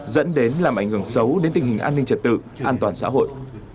dẫn đến làm ảnh hưởng xấu đến tình hình an ninh trật tự an toàn xã hội